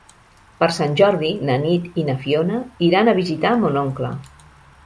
Per Sant Jordi na Nit i na Fiona iran a visitar mon oncle.